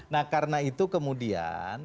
nah karena itu kemudian